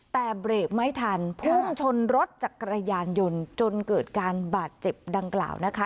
แต่เบรกไม่ทันพุ่งชนรถจักรยานยนต์จนเกิดการบาดเจ็บดังกล่าวนะคะ